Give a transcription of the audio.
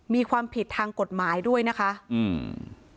มีความผิดทางกฎหมายด้วยนะคะอืม